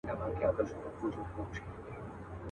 کټ یې مات کړ هر څه ولوېدل د لاندي.